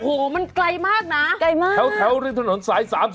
โอ้โหมันไกลมากนะไกลมากแถวริมถนนสาย๓๐